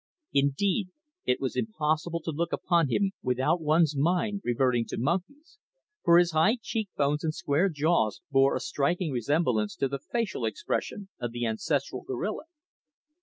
Indeed, it was impossible to look upon him without one's mind reverting to monkeys, for his high cheek bones and square jaws bore a striking resemblance to the facial expression of the ancestral gorilla.